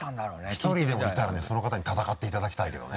１人でもいたらねその方に戦っていただきたいけどね。